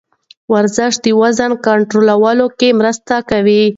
ورزش د وزن کنټرول کې مرسته کوي.